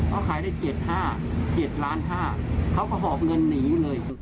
เราขายได้๗๕๐๐๐๐๐บาทเขาก็เหาะเงินหนีเลย